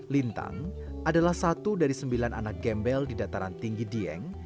lintang adalah satu dari sembilan anak gembel di dataran tinggi dieng